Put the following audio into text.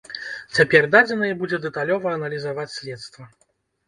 Цяпер дадзеныя будзе дэталёва аналізаваць следства.